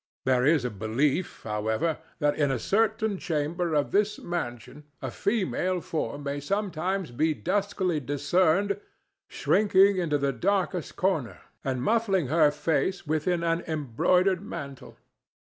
There is a belief, however, that in a certain chamber of this mansion a female form may sometimes be duskily discerned shrinking into the darkest corner and muffling her face within an embroidered mantle.